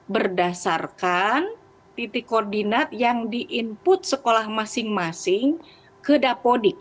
berdasarkan titik koordinat yang di input sekolah masing masing ke dapodik